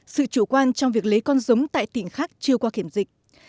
sự chủ quan trong việc lấy con giống tại tỉnh khác chưa qua kiểm dịch